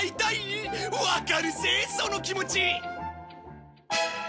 わかるぜその気持ち！